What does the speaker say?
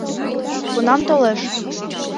Кунам толеш